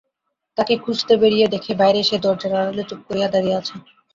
তাকে খুঁজতে বেরিয়ে দেখে বাইরে সে দরজার আড়ালে চুপ করে দাঁড়িয়ে আছে।